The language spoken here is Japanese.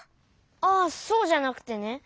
あっそうじゃなくてね。